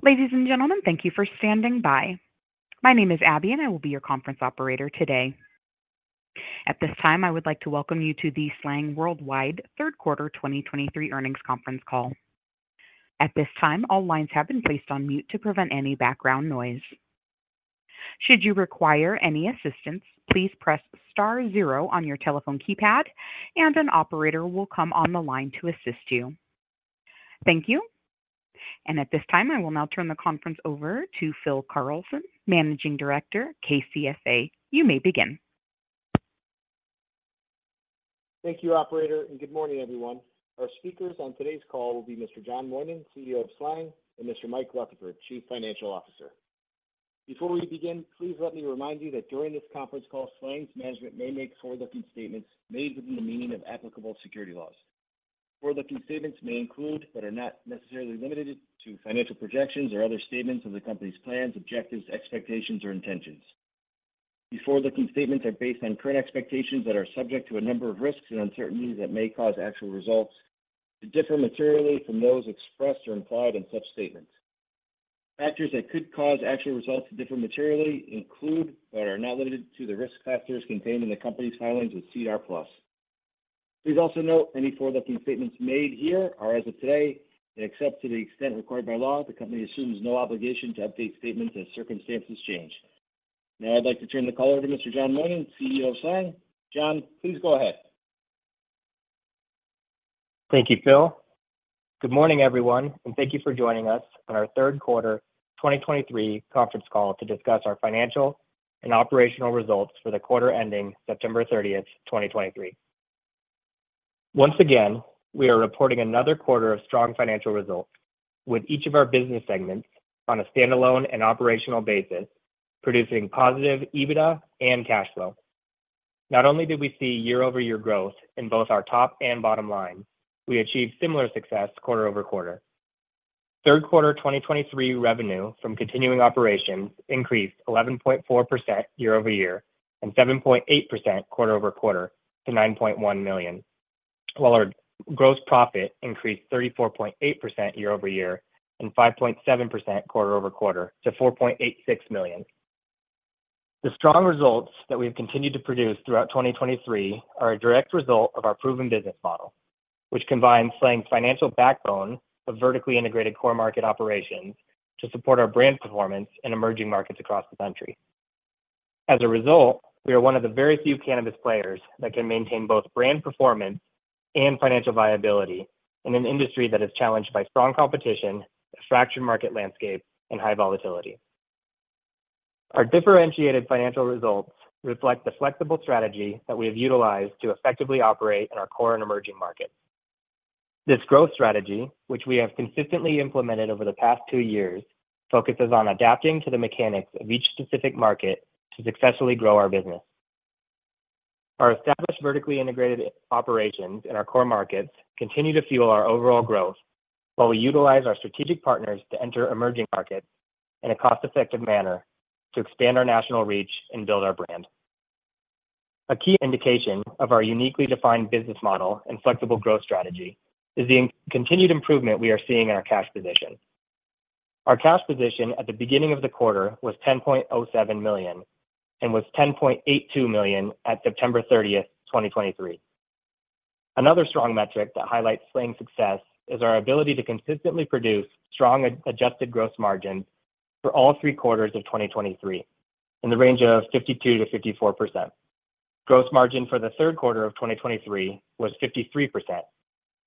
Ladies and gentlemen, thank you for standing by. My name is Abby, and I will be your conference operator today. At this time, I would like to welcome you to the SLANG Worldwide Third Quarter 2023 Earnings Conference Call. At this time, all lines have been placed on mute to prevent any background noise. Should you require any assistance, please press star zero on your telephone keypad, and an operator will come on the line to assist you. Thank you. At this time, I will now turn the conference over to Phil Carlson, Managing Director, KCSA. You may begin. Thank you, operator, and good morning, everyone. Our speakers on today's call will be Mr. John Moynan, CEO of SLANG, and Mr. Mikel Rutherford, Chief Financial Officer. Before we begin, please let me remind you that during this conference call, SLANG's management may make forward-looking statements made within the meaning of applicable securities laws. Forward-looking statements may include, but are not necessarily limited to, financial projections or other statements of the company's plans, objectives, expectations, or intentions. These forward-looking statements are based on current expectations that are subject to a number of risks and uncertainties that may cause actual results to differ materially from those expressed or implied in such statements. Factors that could cause actual results to differ materially include, but are not limited to, the risk factors contained in the company's filings with SEDAR+. Please also note any forward-looking statements made here are as of today, except to the extent required by law. The company assumes no obligation to update statements as circumstances change. Now, I'd like to turn the call over to Mr. John Moynan, CEO of SLANG. John, please go ahead. Thank you, Phil. Good morning, everyone, and thank you for joining us on our third quarter 2023 conference call to discuss our financial and operational results for the quarter ending September 30, 2023. Once again, we are reporting another quarter of strong financial results, with each of our business segments on a standalone and operational basis, producing positive EBITDA and cash flow. Not only did we see year-over-year growth in both our top and bottom line, we achieved similar success quarter over quarter. Third quarter 2023 revenue from continuing operations increased 11.4% year-over-year and 7.8% quarter over quarter to $9.1 million, while our gross profit increased 34.8% year-over-year and 5.7% quarter over quarter to $4.86 million. The strong results that we have continued to produce throughout 2023 are a direct result of our proven business model, which combines SLANG's financial backbone of vertically integrated core market operations to support our brand performance in emerging markets across the country. As a result, we are one of the very few cannabis players that can maintain both brand performance and financial viability in an industry that is challenged by strong competition, a fractured market landscape, and high volatility. Our differentiated financial results reflect the flexible strategy that we have utilized to effectively operate in our core and emerging markets. This growth strategy, which we have consistently implemented over the past two years, focuses on adapting to the mechanics of each specific market to successfully grow our business. Our established vertically integrated operations in our core markets continue to fuel our overall growth, while we utilize our strategic partners to enter emerging markets in a cost-effective manner to expand our national reach and build our brand. A key indication of our uniquely defined business model and flexible growth strategy is the continued improvement we are seeing in our cash position. Our cash position at the beginning of the quarter was 10.07 million and was 10.82 million at September 30, 2023. Another strong metric that highlights SLANG's success is our ability to consistently produce strong adjusted gross margins for all three quarters of 2023 in the range of 52%-54%. Gross margin for the third quarter of 2023 was 53%,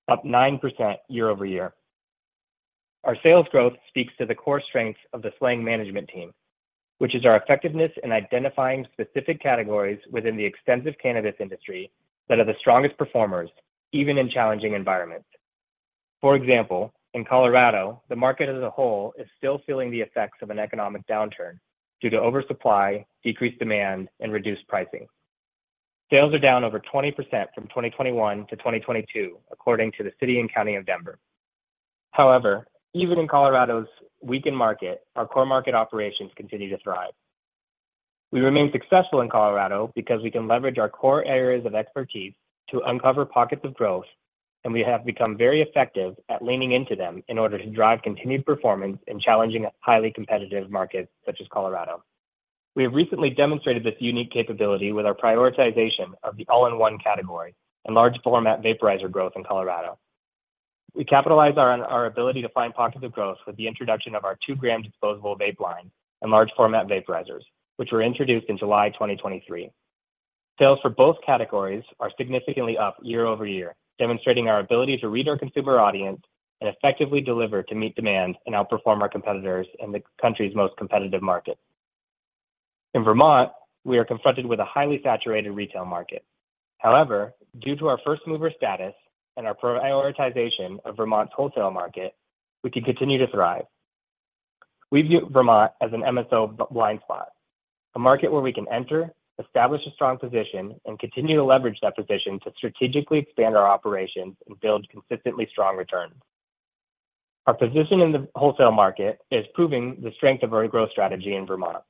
up 9% year-over-year. Our sales growth speaks to the core strengths of the SLANG management team, which is our effectiveness in identifying specific categories within the extensive cannabis industry that are the strongest performers, even in challenging environments. For example, in Colorado, the market as a whole is still feeling the effects of an economic downturn due to oversupply, decreased demand, and reduced pricing. Sales are down over 20% from 2021 to 2022, according to the City and County of Denver. However, even in Colorado's weakened market, our core market operations continue to thrive. We remain successful in Colorado because we can leverage our core areas of expertise to uncover pockets of growth, and we have become very effective at leaning into them in order to drive continued performance in challenging, highly competitive markets such as Colorado. We have recently demonstrated this unique capability with our prioritization of the all-in-one category and large format vaporizer growth in Colorado. We capitalize on our ability to find pockets of growth with the introduction of our two-gram disposable vape line and large format vaporizers, which were introduced in July 2023. Sales for both categories are significantly up year-over-year, demonstrating our ability to read our consumer audience and effectively deliver to meet demand and outperform our competitors in the country's most competitive markets. In Vermont, we are confronted with a highly saturated retail market. However, due to our first-mover status and our prioritization of Vermont's wholesale market, we can continue to thrive. We view Vermont as an MSO blind spot, a market where we can enter, establish a strong position, and continue to leverage that position to strategically expand our operations and build consistently strong returns. Our position in the wholesale market is proving the strength of our growth strategy in Vermont.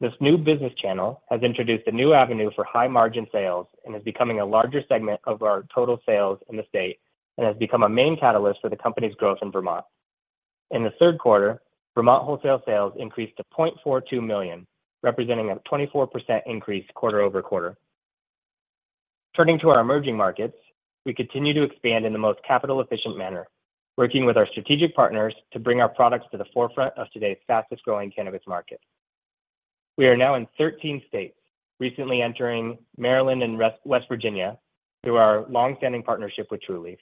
This new business channel has introduced a new avenue for high-margin sales and is becoming a larger segment of our total sales in the state, and has become a main catalyst for the company's growth in Vermont. In the third quarter, Vermont wholesale sales increased to $0.42 million, representing a 24% increase quarter-over-quarter. Turning to our emerging markets, we continue to expand in the most capital-efficient manner, working with our strategic partners to bring our products to the forefront of today's fastest-growing cannabis market. We are now in 13 states, recently entering Maryland and West Virginia, through our long-standing partnership with Trulieve.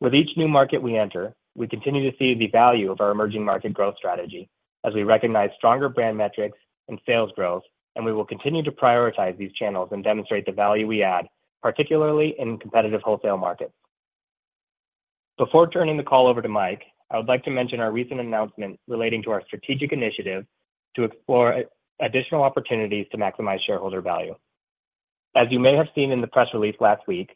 With each new market we enter, we continue to see the value of our emerging market growth strategy as we recognize stronger brand metrics and sales growth, and we will continue to prioritize these channels and demonstrate the value we add, particularly in competitive wholesale markets. Before turning the call over to Mikel, I would like to mention our recent announcement relating to our strategic initiative to explore additional opportunities to maximize shareholder value. As you may have seen in the press release last week,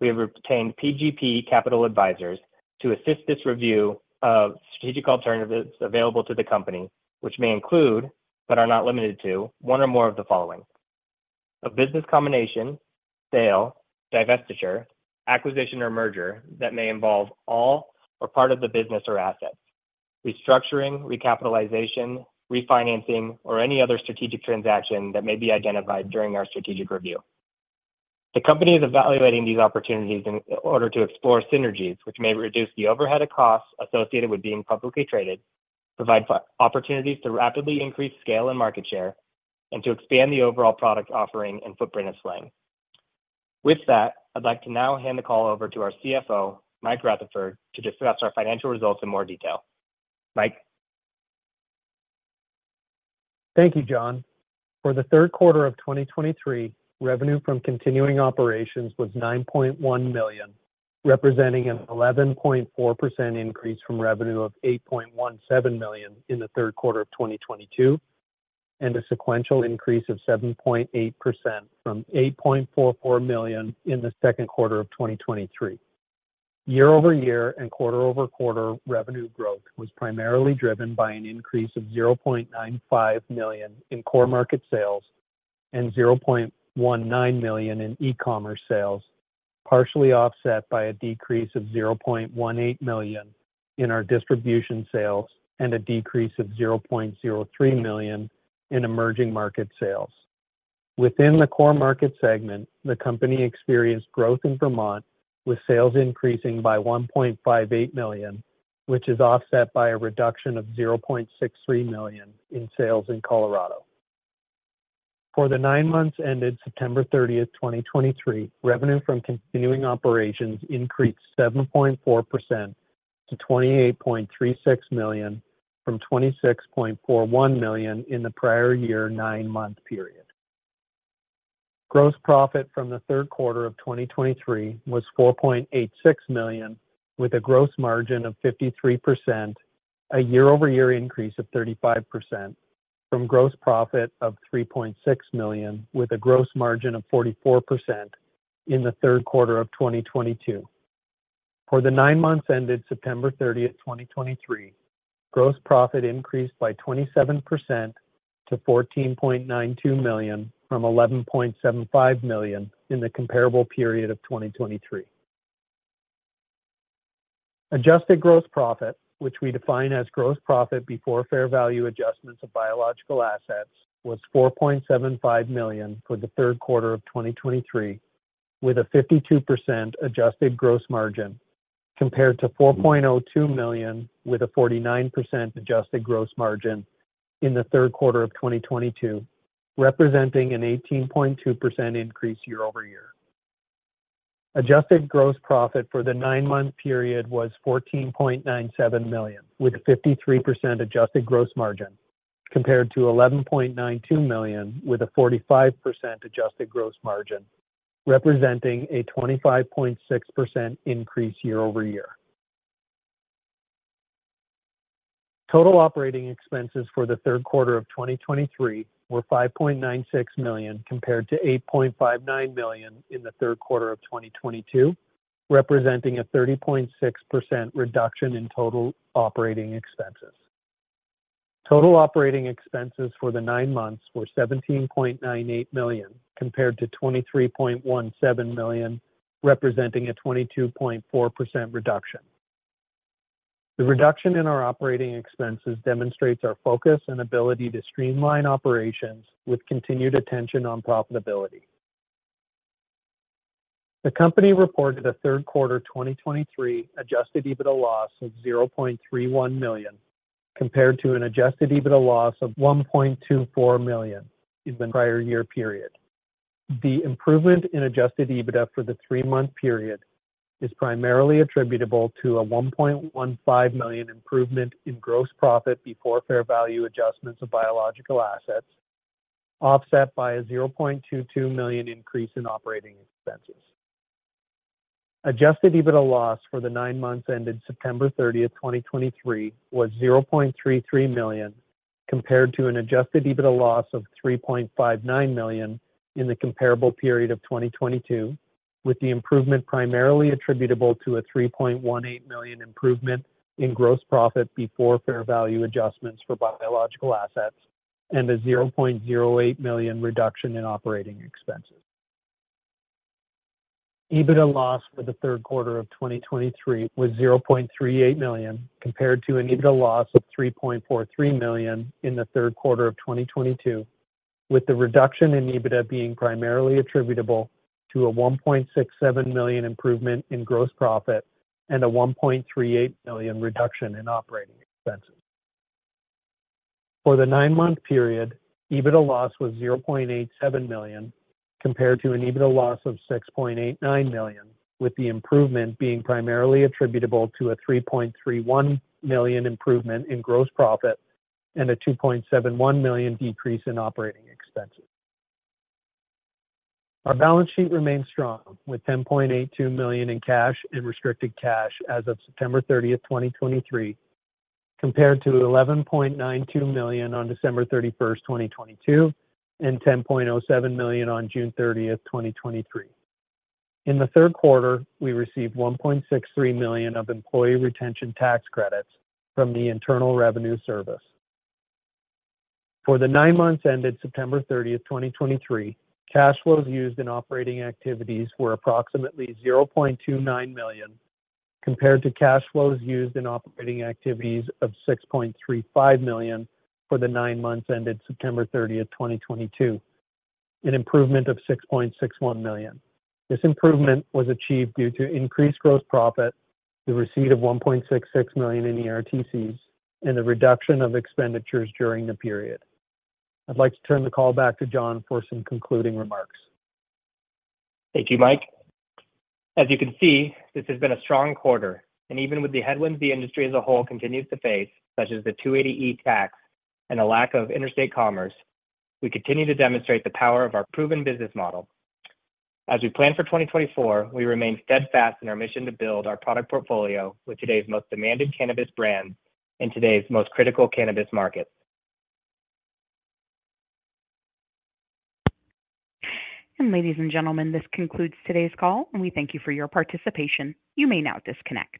we have retained PGP Capital Advisors to assist this review of strategic alternatives available to the company, which may include, but are not limited to, one or more of the following: a business combination, sale, divestiture, acquisition or merger that may involve all or part of the business or assets, restructuring, recapitalization, refinancing, or any other strategic transaction that may be identified during our strategic review. The company is evaluating these opportunities in order to explore synergies, which may reduce the overhead of costs associated with being publicly traded, provide opportunities to rapidly increase scale and market share, and to expand the overall product offering and footprint of SLANG. With that, I'd like to now hand the call over to our CFO, Mikel Rutherford, to discuss our financial results in more detail. Mikel? Thank you, John. For the third quarter of 2023, revenue from continuing operations was 9.1 million, representing an 11.4% increase from revenue of 8.17 million in the third quarter of 2022, and a sequential increase of 7.8% from 8.44 million in the second quarter of 2023. Year-over-year and quarter-over-quarter revenue growth was primarily driven by an increase of 0.95 million in core market sales and 0.19 million in e-commerce sales, partially offset by a decrease of 0.18 million in our distribution sales and a decrease of 0.03 million in emerging market sales. Within the core market segment, the company experienced growth in Vermont, with sales increasing by 1.58 million, which is offset by a reduction of 0.63 million in sales in Colorado. For the nine months ended September 30, 2023, revenue from continuing operations increased 7.4% to 28.36 million from 26.41 million in the prior year nine-month period. Gross profit from the third quarter of 2023 was 4.86 million, with a gross margin of 53%, a year-over-year increase of 35% from gross profit of 3.6 million, with a gross margin of 44% in the third quarter of 2022. For the nine months ended September 30, 2023, gross profit increased by 27% to 14.92 million from 11.75 million in the comparable period of 2023. Adjusted gross profit, which we define as gross profit before fair value adjustments of biological assets, was 4.75 million for the third quarter of 2023, with a 52% adjusted gross margin, compared to 4.02 million, with a 49% adjusted gross margin in the third quarter of 2022, representing an 18.2% increase year-over-year. Adjusted gross profit for the nine-month period was 14.97 million, with a 53% adjusted gross margin, compared to 11.92 million, with a 45% adjusted gross margin, representing a 25.6% increase year-over-year. Total operating expenses for the third quarter of 2023 were 5.96 million, compared to 8.59 million in the third quarter of 2022, representing a 30.6% reduction in total operating expenses. Total operating expenses for the nine months were 17.98 million, compared to 23.17 million, representing a 22.4% reduction. The reduction in our operating expenses demonstrates our focus and ability to streamline operations with continued attention on profitability. The company reported a third quarter 2023 adjusted EBITDA loss of 0.31 million, compared to an adjusted EBITDA loss of 1.24 million in the prior year period. The improvement in adjusted EBITDA for the three-month period is primarily attributable to a 1.15 million improvement in gross profit before fair value adjustments of biological assets, offset by a 0.22 million increase in operating expenses. Adjusted EBITDA loss for the nine months ended September 30, 2023, was 0.33 million, compared to an adjusted EBITDA loss of 3.59 million in the comparable period of 2022. With the improvement primarily attributable to a 3.18 million improvement in gross profit before fair value adjustments for biological assets, and a 0.08 million reduction in operating expenses. EBITDA loss for the third quarter of 2023 was $0.38 million, compared to an EBITDA loss of $3.43 million in the third quarter of 2022, with the reduction in EBITDA being primarily attributable to a $1.67 million improvement in gross profit and a $1.38 million reduction in operating expenses. For the nine-month period, EBITDA loss was $0.87 million, compared to an EBITDA loss of $6.89 million, with the improvement being primarily attributable to a $3.31 million improvement in gross profit and a $2.71 million decrease in operating expenses. Our balance sheet remains strong, with $10.82 million in cash and restricted cash as of September 30th, 2023, compared to $11.92 million on December 31st, 2022, and $10.07 million on June 30th, 2023. In the third quarter, we received $1.63 million of employee retention tax credits from the Internal Revenue Service. For the nine months ended September 30th, 2023, cash flows used in operating activities were approximately $0.29 million, compared to cash flows used in operating activities of $6.35 million for the nine months ended September 30th, 2022, an improvement of $6.61 million. This improvement was achieved due to increased gross profit, the receipt of $1.66 million in ERTCs, and the reduction of expenditures during the period. I'd like to turn the call back to John for some concluding remarks. Thank you, Mikel. As you can see, this has been a strong quarter, and even with the headwinds the industry as a whole continues to face, such as the 280E tax and a lack of interstate commerce, we continue to demonstrate the power of our proven business model. As we plan for 2024, we remain steadfast in our mission to build our product portfolio with today's most demanded cannabis brands in today's most critical cannabis markets. Ladies and gentlemen, this concludes today's call, and we thank you for your participation. You may now disconnect.